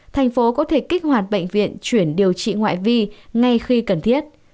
thành phố có thể kích hoạt bệnh viện chuyển điều trị ngoại vi ngay khi cần thiết